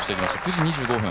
９時２５分。